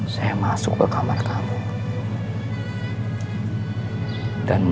saya datang ke rumah kakak kamu